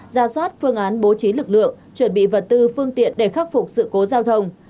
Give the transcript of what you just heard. ra soát phương án bố trí lực lượng chuẩn bị vật tư phương tiện để khắc phục sự cố giao thông